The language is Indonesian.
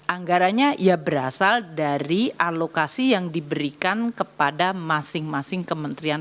anggaranya berasal dari alokasi yang diberikan kepada masing masing kementerian